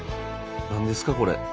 何ですかこれ。